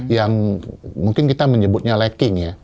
yang mungkin kita menyebutnya lecking ya